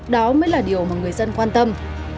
đó mới là điều mà người dân quan tâm